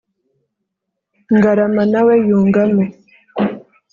Ngarama na we yungamo